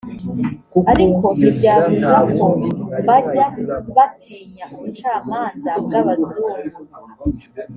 ariko ntibyabuza ko mbajya batinya ubucamanza bw’abazungu